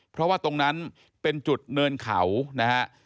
เพราะว่าตรงนั้นเป็นจุดเนินเขานะฮะ